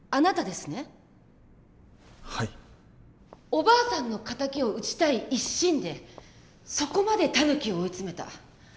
おばあさんの敵を討ちたい一心でそこまでタヌキを追い詰めた。